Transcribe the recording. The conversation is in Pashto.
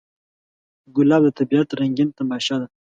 ګلاب د طبیعت رنګین تماشه ده.